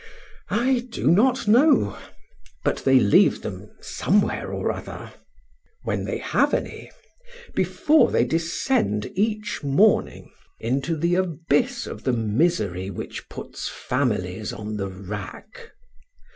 I do not know; but they leave them somewhere or other, when they have any, before they descend each morning into the abyss of the misery which puts families on the rack.